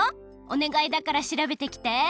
おねがいだからしらべてきて！